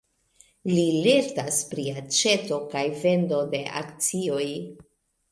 Li lertas pri aĉeto kaj vendo de akcioj.